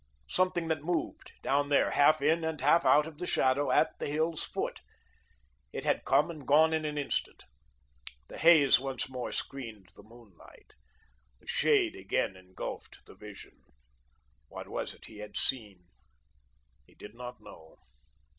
Something that moved, down there, half in and half out of the shadow, at the hill's foot. It had come and gone in an instant. The haze once more screened the moonlight. The shade again engulfed the vision. What was it he had seen? He did not know.